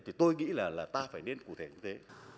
thì tôi nghĩ là ta phải nên cụ thể như thế